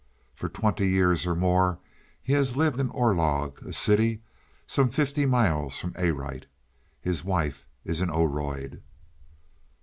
For twenty years or more he has lived in Orlog, a city some fifty miles from Arite. His wife is an Oroid.